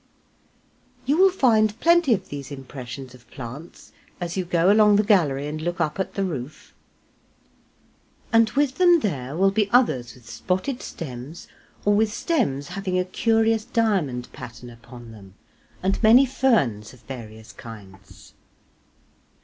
You will find plenty of these impressions of plants as you go along the gallery and look up at the roof, and with them there will be others with spotted stems, or with stems having a curious diamond pattern upon them, and many ferns of various kinds.